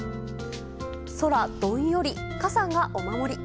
空どんより、傘がお守り。